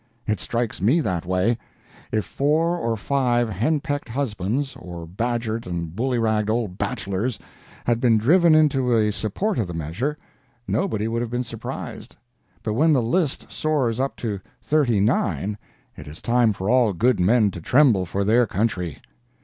It strikes me that way. If four or five hen pecked husbands, or badgered and bully ragged old bachelors, had been driven into a support of the measure, nobody would have been surprised; but when the list soars up to thirty nine, it is time for all good men to tremble for their country.